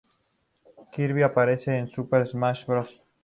Kirby aparece en "Super Smash Bros.